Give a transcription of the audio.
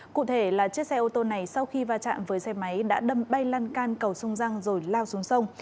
cụ thể là chiếc xe ô tô này sau khi va chạm với xe máy đã đâm bay lan can cầu sông răng rồi lao xuống sông